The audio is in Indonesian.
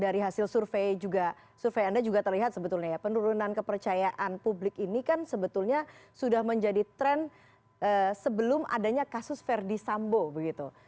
dari hasil survei juga survei anda juga terlihat sebetulnya ya penurunan kepercayaan publik ini kan sebetulnya sudah menjadi tren sebelum adanya kasus verdi sambo begitu